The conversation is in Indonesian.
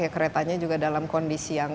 keretanya juga dalam kondisi yang